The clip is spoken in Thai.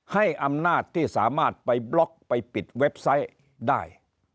ให้อำนาจที่สามารถไปบล็อกไปปิดเว็บไซต์ได้